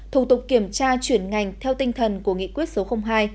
thủ tục kiểm tra chuyển ngành theo tinh thần của nghị quyết số hai